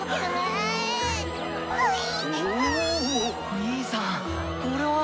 兄さんこれは。